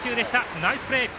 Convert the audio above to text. ナイスプレー。